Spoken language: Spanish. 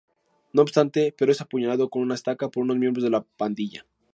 No obstante, pero es apuñalado con una estaca por unos miembros de la pandilla.